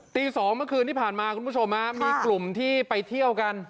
ตี๒เมื่อคืนที่ผ่านมาคุณผู้ชมมีกลุ่มที่ไปเที่ยวกัน